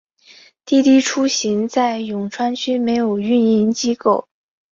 滴滴出行在永川区设有运营机构。